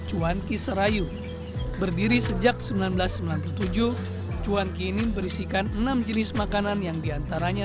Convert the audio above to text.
cuan kiser rayu berdiri sejak seribu sembilan ratus sembilan puluh tujuh cuanki ini berisikan enam jenis makanan yang diantaranya